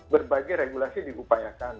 berbagai regulasi diupayakan